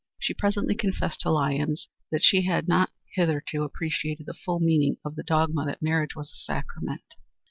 She presently confessed to Lyons that she had not hitherto appreciated the full meaning of the dogma that marriage was a sacrament.